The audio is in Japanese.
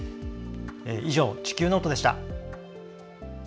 以上、「地球ノート」でした。